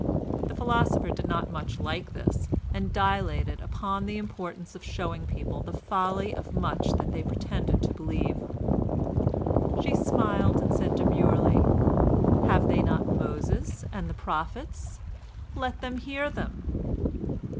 The philosopher did not much like this, and dilated upon the importance of showing people the folly of much that they pretended to believe. She smiled and said demurely, "Have they not Moses and the prophets? Let them hear them."